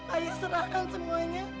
ayah serahkan semuanya